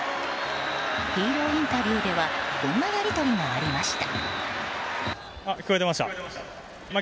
ヒーローインタビューではこんなやりとりがありました。